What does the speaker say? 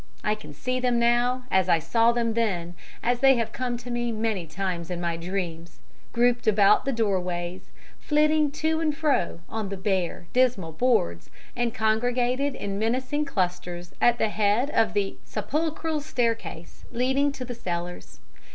I can see them now, as I saw them then, as they have come to me many times in my dreams, grouped about the doorways, flitting to and fro on the bare, dismal boards, and congregated in menacing clusters at the head of the sepulchral staircase leading to the cellars.